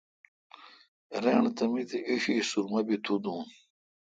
رݨ تہ می تے°ایݭی سرمہ بی تو دون۔